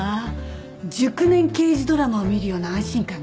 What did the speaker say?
熟年刑事ドラマを見るような安心感ね。